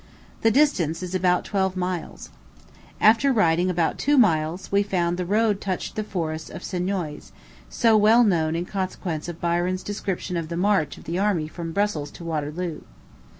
The distance is about twelve miles. After riding about two miles, we found the road touched the Forest of Soignies, so well known in consequence of Byron's description of the march of the army from Brussels to Waterloo.